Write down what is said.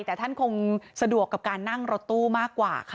แต่ท่านคงสะดวกกับการนั่งรถตู้มากกว่าค่ะ